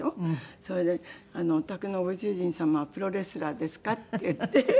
それで「おたくのご主人様はプロレスラーですか？」って言って。